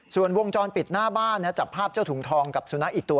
ส่วนวงจรปิดหน้าบ้านจับภาพเจ้าถุงทองกับสุนัขอีกตัว